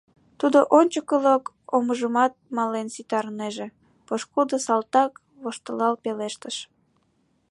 — Тудо ончыкылык омыжымат мален ситарынеже... — пошкудо салтак воштылал пелештыш.